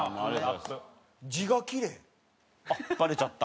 あっバレちゃった。